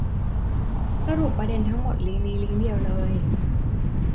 สรุปประเด็นทั้งหมดลิงก์นี้ลิงก์เดียวเลย